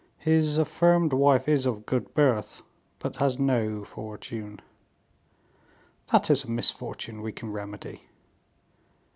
"His affirmed wife is of good birth, but has no fortune." "That is a misfortune we can remedy."